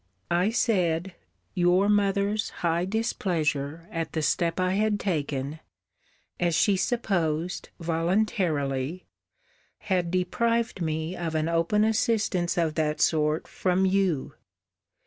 I said, your mother's high displeasure at the step I had taken, (as she supposed, voluntarily,) had deprived me of an open assistance of that sort from you.